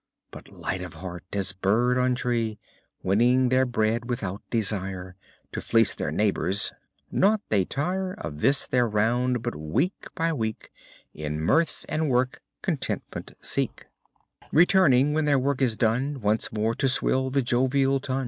But light of heart as bird on tree Winning their bread without desire To fleece their neighbors. Nought they tire Of this their round, but week by week In mirth and work contentment seek; Returning when their work is done Once more to swill the jovial tun.